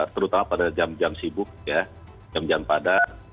terutama pada jam jam sibuk ya jam jam padat